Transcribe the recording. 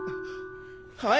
はい！